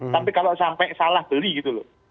tapi kalau sampai salah beli gitu loh